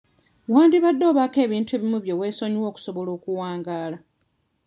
Wandibadde obaako ebintu ebimu bye weesonyiwa okusobola okuwangaala.